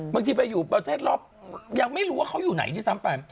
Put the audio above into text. บางทีไปอยู่ประเทศรอบยังไม่รู้ว่าเขาอยู่ไหนด้วยซ้ำไป